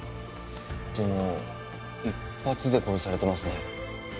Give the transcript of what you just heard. でも１発で殺されてますね。